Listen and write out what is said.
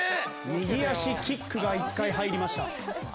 右足キックが一回入りました。